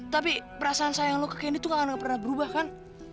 tapi perasaan sayang lo ke candy tuh nggak akan pernah berubah kan